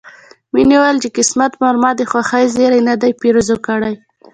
مينې وويل چې قسمت پر ما د خوښۍ زيری نه دی پيرزو کړی